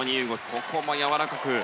ここもやわらかく。